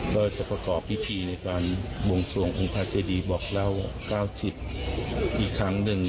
ก็จะประกอบพิธีในการบวงสวงองค์พระเจดีบอกเล่า๙๐อีกครั้งหนึ่ง